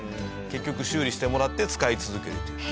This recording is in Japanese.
結局修理してもらって使い続けるという。